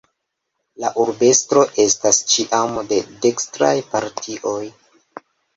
La urbestro esta ĉiam de dekstraj partioj.